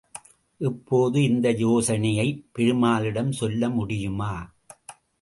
இப்போது இந்த யோசனையைப் பெருமாளிடஞ் சொல்ல முடியுமா?